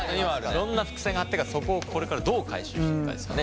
いろんな伏線張ってるからそこをこれからどう回収していくかですよね。